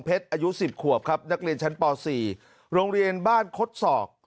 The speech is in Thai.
เพชรอายุสิบขวบครับนักเรียนชั้นป่อสี่โรงเรียนบ้านคดศอก